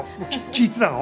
聞いてたの？